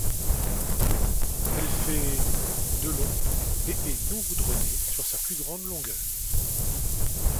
Elle fait de long et est non goudronnée sur sa plus grande longueur.